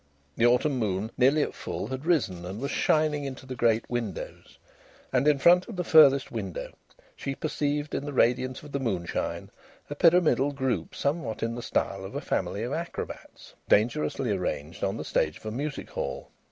The autumn moon, nearly at full, had risen and was shining into the great windows. And in front of the furthest window she perceived in the radiance of the moonshine a pyramidal group, somewhat in the style of a family of acrobats, dangerously arranged on the stage of a music hall.